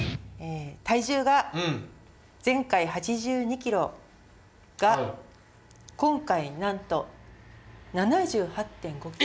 体重が前回８２ｋｇが今回なんと７８．５ｋｇ。